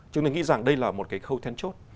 chúng tôi nghĩ rằng đây là một khâu thén chốt